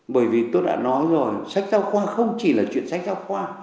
bởi vì tôi đã nói rồi sách giáo khoa không chỉ là chuyện sách giáo khoa